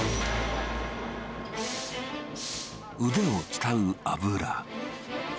腕を伝う油。